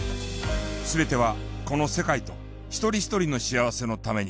全てはこの世界と一人一人の幸せのために。